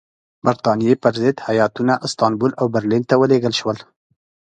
برټانیې پر ضد هیاتونه استانبول او برلین ته ولېږل شول.